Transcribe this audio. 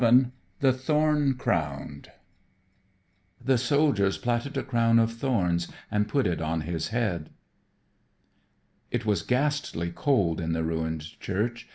VII The Thorn Crowned "THE SOLDIERS PLATTED A CROWN OF THORNS AND PUT IT ON HIS HEAD" VII The Thorn Crowned It was ghastly cold in the ruined church.